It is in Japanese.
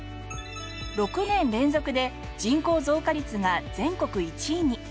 ６年連続で人口増加率が全国１位に。